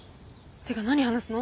てか何話すの？